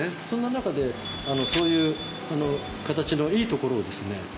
そんな中でそういう形のいいところをですね